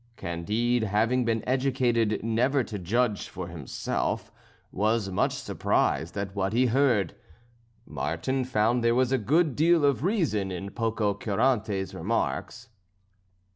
Candide, having been educated never to judge for himself, was much surprised at what he heard. Martin found there was a good deal of reason in Pococurante's remarks.